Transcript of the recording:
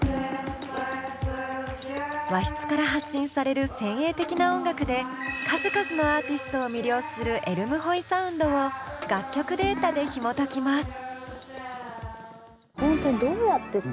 和室から発信される先鋭的な音楽で数々のアーティストを魅了するｅｒｍｈｏｉサウンドを楽曲データでひもときます。